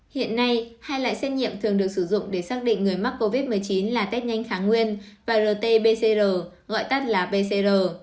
hiện nay hai loại xét nghiệm thường được sử dụng để xác định người mắc covid một mươi chín là test nhanh kháng nguyên và rt pcr gọi tắt là pcr